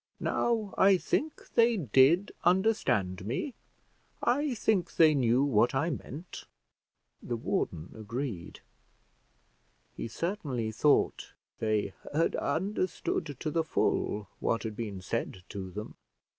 Now, I think they did understand me; I think they knew what I meant." The warden agreed. He certainly thought they had understood to the full what had been said to them.